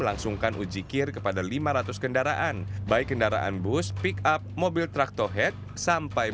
langsungkan ujikir kepada lima ratus kendaraan baik kendaraan bus pickup mobil traktohead sampai